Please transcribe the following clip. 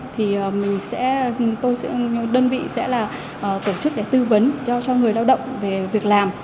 thì tôi sẽ đơn vị tổ chức để tư vấn cho người lao động về việc làm